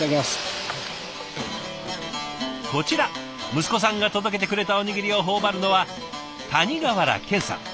こちら息子さんが届けてくれたおにぎりを頬張るのは谷川原健さん。